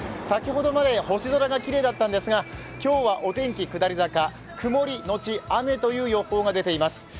先ほどまで星空がきれいだったんですが今日はお天気、下り坂、曇りのち雨という予報が出ています。